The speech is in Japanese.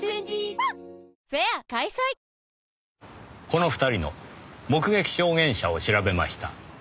この２人の目撃証言者を調べました。